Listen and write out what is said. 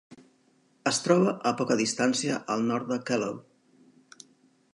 Es troba a poca distància al nord de Kelloe.